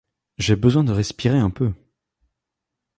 J’ai besoin de respirer un peu !